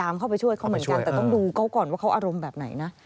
เข้าไปช่วยเขาเหมือนกันแต่ต้องดูเขาก่อนว่าเขาอารมณ์แบบไหนนะ